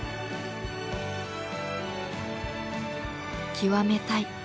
極めたい。